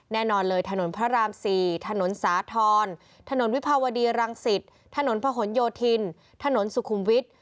แน่นอนเลยถนนพระราม๔ถนนสาธรณ์ถนนวิภาวดีรังสิตถนนพะหนโยธินถนนสุขุมวิทย์